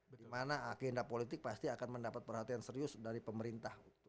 dimana agenda politik pasti akan mendapat perhatian serius dari pemerintah